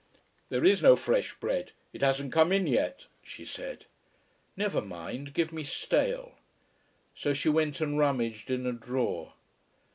"There is no fresh bread. It hasn't come in yet," she said. "Never mind, give me stale." So she went and rummaged in a drawer.